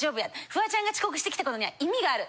フワちゃんが遅刻してきたことには意味がある。